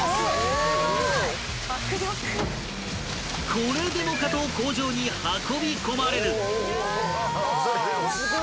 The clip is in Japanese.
［これでもかと工場に運び込まれる］